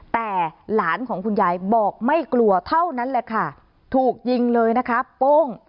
แต่หลานของคุณยายบอกไม่กลัวเท่านั้นแหละค่ะถูกยิงเลยนะคะโป้ง